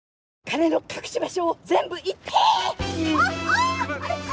金の隠し場所を全部言って！